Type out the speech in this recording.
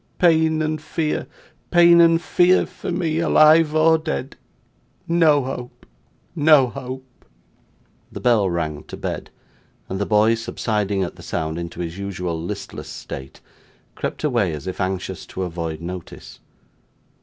Pain and fear, pain and fear for me, alive or dead. No hope, no hope!' The bell rang to bed: and the boy, subsiding at the sound into his usual listless state, crept away as if anxious to avoid notice.